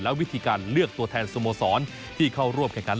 และวิธีการเลือกตัวแทนสโมสรที่เข้าร่วมแข่งขัน